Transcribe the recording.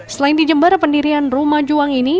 selain dijembar pendirian rumah juang ini